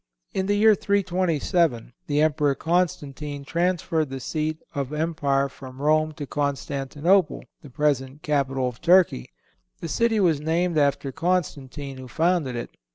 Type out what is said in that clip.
In the year 327 the Emperor Constantine transferred the seat of empire from Rome to Constantinople, the present capital of Turkey. The city was named after Constantine, who founded it.